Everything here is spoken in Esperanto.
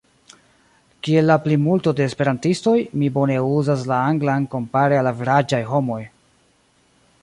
Kiel la plimulto de Esperantistoj, mi bone uzas la Anglan kompare al averaĝaj homoj.